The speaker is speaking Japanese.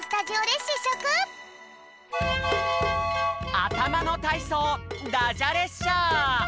あたまのたいそうダジャ列車！